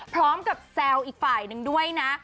พร้อมกับแซวอีกฝ่ายนึงด้วยนะ